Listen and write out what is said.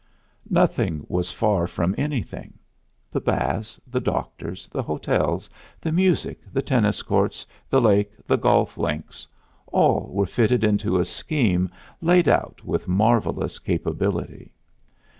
Nothing was far from anything; the baths, the doctors, the hotels, the music, the tennis courts, the lake, the golf links all were fitted into a scheme laid out with marvelous capability.